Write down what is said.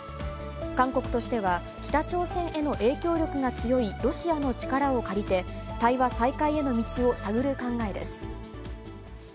韓国としては、北朝鮮への影響力が強いロシアの力を借りて、対話再開への道を探る考えです。